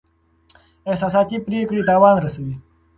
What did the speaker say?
احساساتي پریکړې تاوان رسوي.